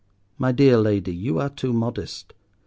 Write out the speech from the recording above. My dear Lady, you are too modest.